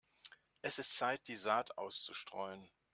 Es ist Zeit, die Saat auszustreuen.